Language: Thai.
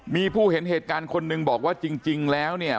มีผู้เห็นเหตุการณ์คนหนึ่งบอกว่าจริงแล้วเนี่ย